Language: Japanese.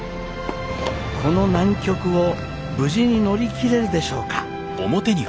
この難局を無事に乗り切れるでしょうか。